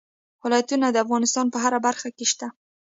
ولایتونه د افغانستان په هره برخه کې شته.